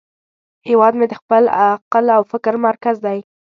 هیواد مې د خپل عقل او فکر مرکز دی